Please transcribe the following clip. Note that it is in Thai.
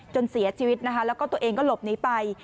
เสียชีวิตนะคะแล้วก็ตัวเองก็หลบหนีไป